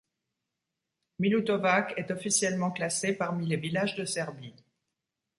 Milutovac est officiellement classé parmi les villages de Serbie.